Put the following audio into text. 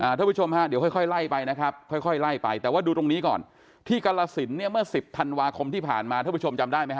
ท่านผู้ชมฮะเดี๋ยวค่อยไล่ไปนะครับค่อยไล่ไปแต่ว่าดูตรงนี้ก่อนที่กรสินเนี่ยเมื่อสิบธันวาคมที่ผ่านมาท่านผู้ชมจำได้ไหมฮ